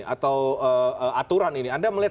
atau aturan ini anda melihat